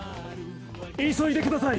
急いでください！